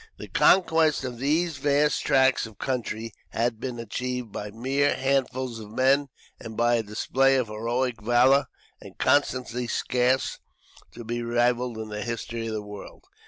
The conquest of these vast tracts of country had been achieved by mere handfuls of men, and by a display of heroic valour and constancy scarce to be rivalled in the history of the world.